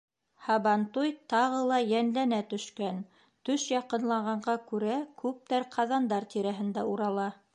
...Һабантуй тағы ла йәнләнә төшкән, төш яҡынлағанға күрә, күптәр ҡаҙандар тирәһендә урала.